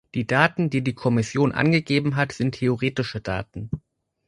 Die Daten, die die Kommission angegeben hat, sind theoretische Daten.